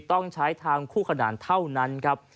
ต้องใช้ทางคู่ขนานเท่านั้นครับ